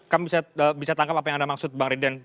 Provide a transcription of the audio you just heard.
kami bisa tangkap apa yang anda maksud bang riden